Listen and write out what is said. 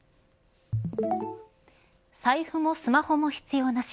財布もスマホも必要なし。